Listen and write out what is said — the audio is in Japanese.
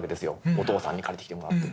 お父さんに借りてきてもらって。